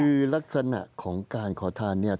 คือลักษณะของการขอทานเนี่ย